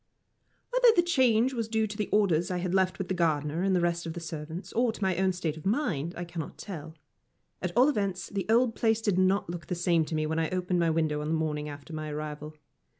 Whether the change was due to the orders I had left with the gardener and the rest of the servants, or to my own state of mind, I cannot tell. At all events, the old place did not look the same to me when I opened my window on the morning after my arrival.